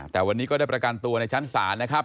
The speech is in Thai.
แต่วันนี้ก็ได้ประกันตัวในชั้นศาลนะครับ